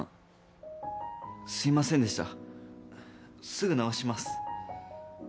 すぐ直します。